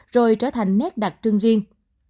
rồi trở thành nét đặc trưng riêng